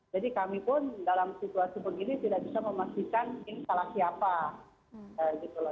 jadi kami pun dalam situasi begini tidak bisa memastikan ini salah siapa